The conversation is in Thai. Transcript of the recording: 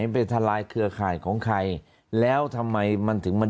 ผ่านการนำเข้า